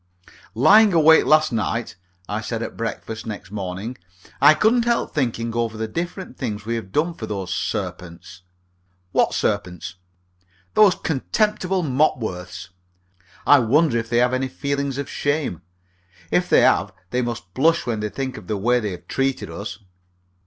"Lying awake last night," I said at breakfast next morning, "I couldn't help thinking over the different things we have done for those serpents." "What serpents?" "Those contemptible Mopworths. I wonder if they have any feelings of shame? If they have, they must blush when they think of the way they have treated us."